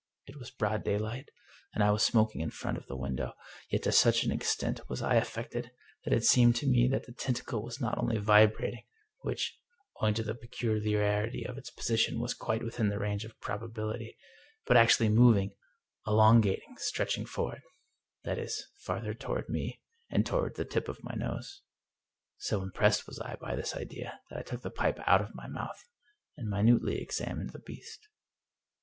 It was broad daylight, and I was smoking in front of the window, yet to such an extent was I affected that it seemed to me that the tentacle was not only vibrating, which, owing to the peculiarity of its position, was quite within the range of probability, but actually moving, elongating — stretching forward, that is, farther toward me, and toward the tip of my nose. So impressed was I by this idea that I took the pipe out of my mouth and minutely examined the beast.